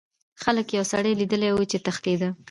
خلکو یو سړی لیدلی و چې تښتیده.